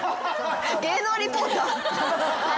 芸能リポーター。